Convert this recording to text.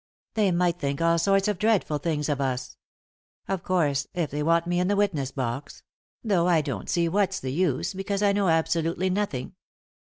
They might think all sorts of dreadful things of us. Of course, if they want me in the witness box— though I don't see what's the use, because I know absolutely nothing."